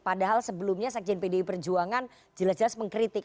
padahal sebelumnya sekjen pdi perjuangan jelas jelas mengkritik